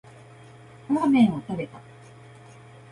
ラーメンを食べた